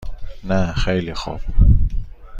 نه خیلی خوب.